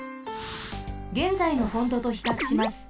げんざいのフォントとひかくします。